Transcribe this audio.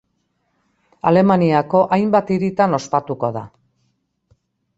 Alemaniako hainbat hiritan ospatuko da.